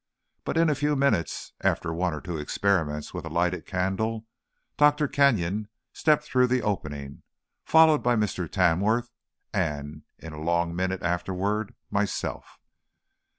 But in a few minutes, after one or two experiments with a lighted candle, Dr. Kenyon stepped through the opening, followed by Mr. Tamworth, and, in a long minute afterward, by myself.